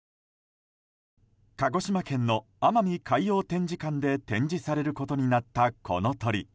鹿児島県の奄美海洋展示館で展示されることになったこの鳥。